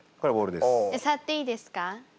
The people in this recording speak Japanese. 触っていいですか？